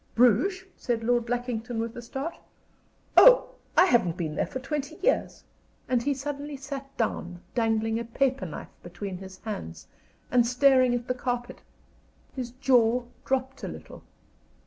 "Bruges?" said Lord Lackington, with a start. "Oh, I haven't been there for twenty years." And he suddenly sat down, dangling a paper knife between his hands, and staring at the carpet. His jaw dropped a little.